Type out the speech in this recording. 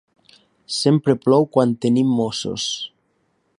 Sempre plou quan tenim mossos.